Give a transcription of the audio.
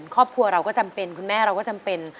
ครอบครัวเราก็จำเป็นคุณแม่เราก็จำเป็น